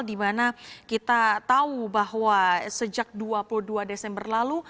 dimana kita tahu bahwa sejak dua puluh dua desember lalu